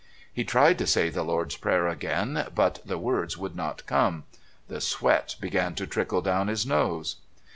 He tried to say the Lord's Prayer again, but the words would not come. The sweat began to trickle down his nose...